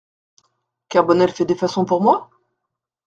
Carbonel fait des façons pour moi ?